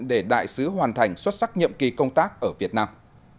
để đại sứ hoàn thành xuất sắc nhiệm kỳ công tác ở việt nam